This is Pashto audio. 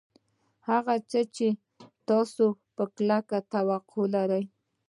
هغه څه چې تاسې یې په کلکه توقع لرئ